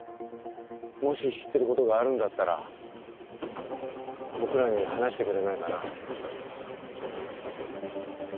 もし知ってる事があるんだったら僕らに話してくれないかな？